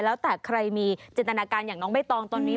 แล้วแต่ใครมีจินตนาการอย่างน้องใบตองตอนนี้